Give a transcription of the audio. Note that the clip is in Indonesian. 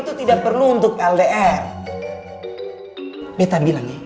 terus sesama warga negara ips lagi